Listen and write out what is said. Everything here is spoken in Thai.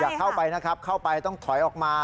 เข้าไปนะครับเข้าไปต้องถอยออกมา